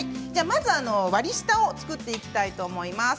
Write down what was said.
まず割り下を作っていきたいと思います。